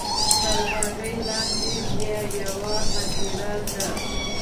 تر هغې لاندې بیا یوه هدیره ده.